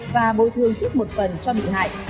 và bồi thương trước một phần cho bị hại